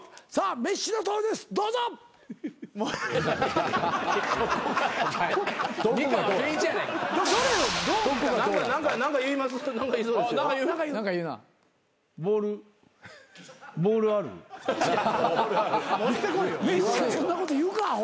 メッシそんなこと言うかアホ。